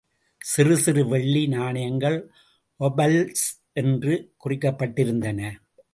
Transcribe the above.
சிறு சிறு வெள்ளி நாணயங்கள் ஒபல்ஸ் என்று குறிக்கப்பட்டிருந்தன.